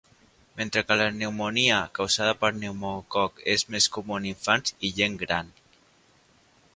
Mentre que la pneumònia causada pel pneumococ és més comú en infants i gent gran.